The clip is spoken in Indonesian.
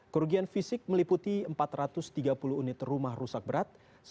kerugian fisik meliputi empat ratus tiga puluh unit rumah rusak berat